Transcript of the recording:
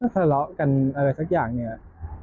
สละกันอะไรสักอย่างนี่